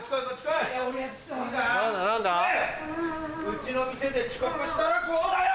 うちの店で遅刻したらこうだよ！